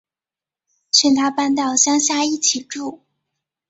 劝他搬到乡下一起住